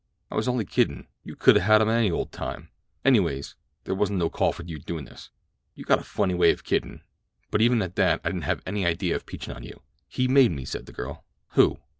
"I was only kiddin—you could 'a' had 'em any old time. Anyways, there wasn't no call for your doin' this." "You got a funny way of kiddin'; but even at that, I didn't have any idea of peachin' on you—he made me," said the girl. "Who?